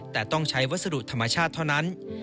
แต่ต้องใช้วัสดุธรรมชาติเท่านั้น